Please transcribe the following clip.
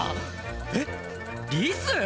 えっリス？